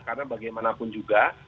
karena bagaimanapun juga